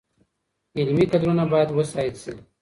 علمي کدرونه باید وستایل سي.